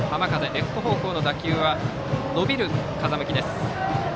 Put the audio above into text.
レフト方向の打球は伸びる風向きです。